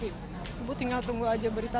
ibu tinggal tunggu aja berita